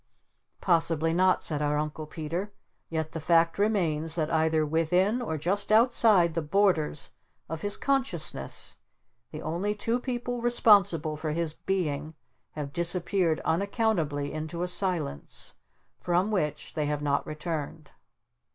"Possibly not," said our Uncle Peter. "Yet the fact remains that either within or just outside the borders of his consciousness the only two people responsible for his Being have disappeared unaccountably into a Silence from which they have not returned."